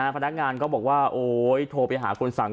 พนักงานก็บอกว่าโอ๊ยโทรไปหาคนสั่ง